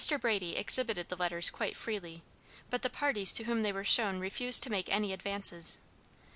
Brady exhibited the letters quite freely, but the parties to whom they were shown refused to make any advances.